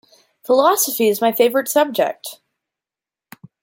Philosophy is my favorite subject.